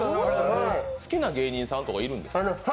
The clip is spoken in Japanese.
好きな芸人さんとかいるんですか？